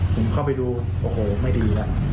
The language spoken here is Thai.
ผมเข้าไปดูโอ้โหไม่ดีแล้ว